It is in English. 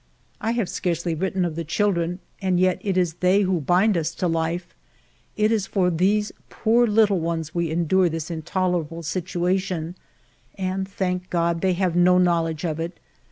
..." I have scarcely written of the children, and yet it is they who bind us to life, it is for these poor little ones we endure this intolerable situation, and, thank God, they have no knowledge of it.